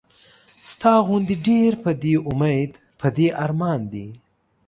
ستا غوندې ډېر پۀ دې اميد پۀ دې ارمان دي